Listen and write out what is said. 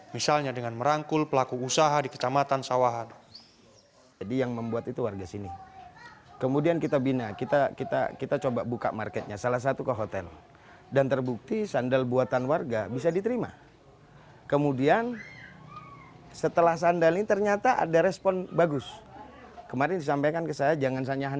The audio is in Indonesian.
misalnya dengan merangkul pelaku usaha di kecamatan sawahan